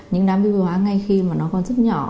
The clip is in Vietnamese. những đám vi vôi hóa ngay khi mà nó còn rất nhỏ